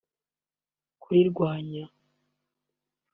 kurirwanya